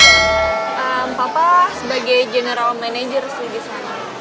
papa sebagai general manager sih di sana